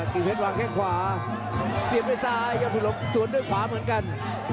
กิ้งเพชรวางแค่ขวาเสียบในซ้ายย่อผิวหลงสวนด้วยขวาเหมือนกัน